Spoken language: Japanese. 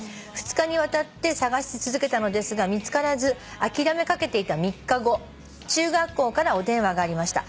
「２日にわたって捜し続けたのですが見つからず諦めかけていた３日後中学校からお電話がありました」